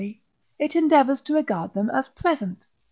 it endeavours to regard them as present.